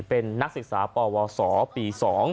เป็นนักศึกษาปวสปี๒